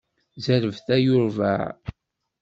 Zerbet ay urbaε!